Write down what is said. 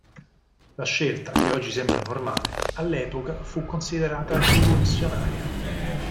La scelta che oggi sembra normale all'epoca fu considerata rivoluzionaria.